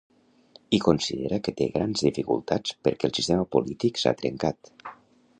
I considera que té grans dificultats perquè el sistema polític s’ha trencat.